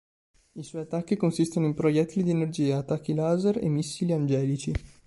I suoi attacchi consistono in proiettili di energia, attacchi laser e missili angelici.